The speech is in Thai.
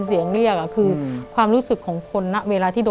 อเรนนี่อเรนนี่อเรนนี่